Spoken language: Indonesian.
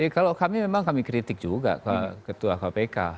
kalau kami memang kami kritik juga ketua kpk